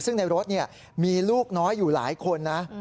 ซึ่งในรถมีลูกน้อยอยู่หลายคนนะ